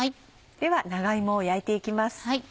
では長芋を焼いていきます。